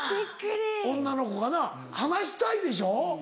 女の子がな「話したい」でしょ？